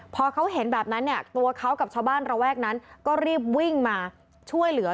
พอเขาเห็นแบบนั้นเนี่ยตัวเขากับชาวบ้านระแวกนั้นก็รีบวิ่งมาช่วยเหลือ